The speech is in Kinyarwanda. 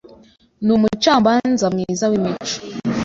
numucamanza mwiza wimico.